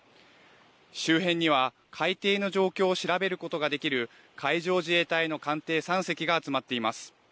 周辺には海底の状況を調べることができる海上自衛隊の艦艇３隻が集まっています。